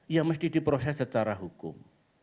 ya mesti diproses secara hukum